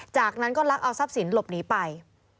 จากนั้นก็ลักเอาทรัพย์สินหลบหนีไป